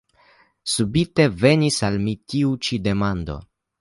Subite venis al mi tiu ĉi demando.